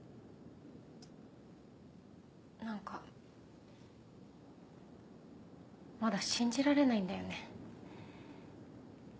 なんかまだ信じられないんだよね。